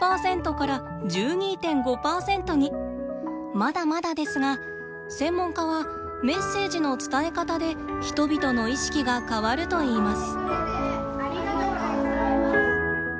まだまだですが専門家はメッセージの伝え方で人々の意識が変わるといいます。